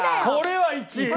これは１！